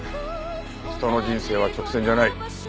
人の人生は直線じゃない。